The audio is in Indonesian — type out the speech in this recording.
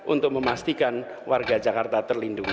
untuk memastikan warga jakarta terlindungi